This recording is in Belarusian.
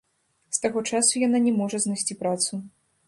З таго часу яна не можа знайсці працу.